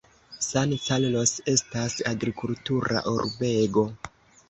San Carlos estas agrikultura urbego.